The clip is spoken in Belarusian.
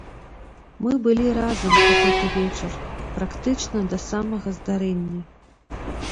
Мы былі разам у гэты вечар практычна да самага здарэння.